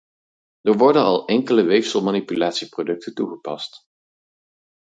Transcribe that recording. Er worden al enkele weefselmanipulatieproducten toegepast.